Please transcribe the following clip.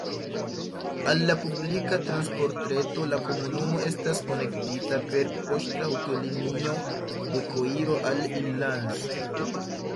Al la publika transportreto la komunumo estas konektita per poŝtaŭtolinio de Koiro al Ilanz.